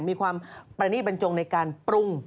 มีความประนีตบรรจงในการปรุง